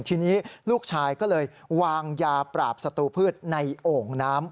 ทีนี้ลูกชายก็เลยวางยาปราบศัตรูพืชในโอ่งน้ำ